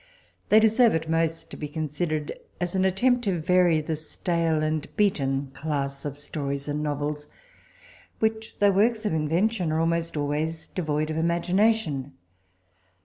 They deserve at most to be considered as an attempt to vary the stale and beaten class of stories and novels, which, though works of invention, are almost always devoid of imagination.